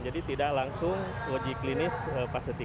jadi tidak langsung uji klinis fase tiga